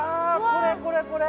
これこれこれ。